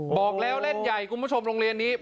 บอกแล้วเล่นใหญ่คุณผู้ชมโรงเรียนนี้